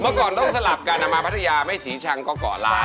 เมื่อก่อนต้องสลับกันมาพัทยาไม่ศรีชังก็เกาะล้าน